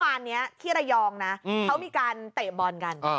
ที่ปราณนี้ขี้ไรงนะเขามีการเตะบอลกัน